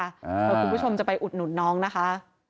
เดี๋ยวคุณผู้ชมจะไปอุดหนุนน้องนะคะ